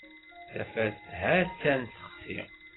Tafat ha-tt-an texsi.